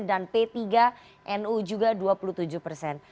dan p tiga nu juga dua puluh tujuh persen